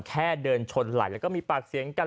แค่เดินชนไหลแล้วก็มีปากเสียงกัน